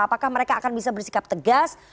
apakah mereka akan bisa bersikap tegas